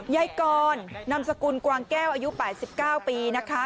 ยายกรนามสกุลกวางแก้วอายุ๘๙ปีนะคะ